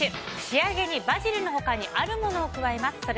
仕上げにバジルの他にあるものを加えます。